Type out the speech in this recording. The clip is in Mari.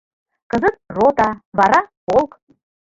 Кызыт — рота, вара — полк.